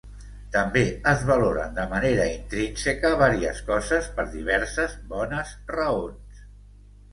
També es valoren de manera intrínseca vàries coses per diverses bones raons.